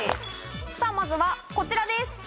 さぁまずはこちらです。